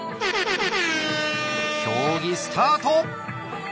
競技スタート。